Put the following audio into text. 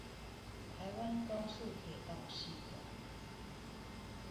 台灣高速鐵道系統